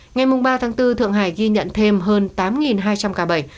ngày ba tháng bốn thượng hải ghi nhận thêm hơn tám hai trăm linh ca bệnh